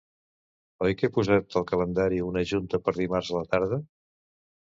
Oi que he posat al calendari una junta per dimarts a la tarda?